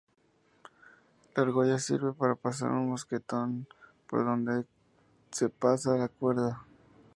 La argolla sirve para pasar un mosquetón por donde se pasa la cuerda.